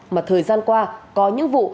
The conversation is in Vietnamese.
mà thời gian qua có những vụ